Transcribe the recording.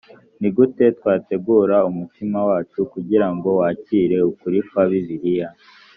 ni gute twategura umutima wacu kugira ngo wakire ukuri kwa bibiliya